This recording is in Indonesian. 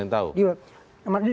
tidak ada yang tahu